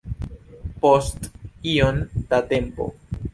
Post iom da tempo.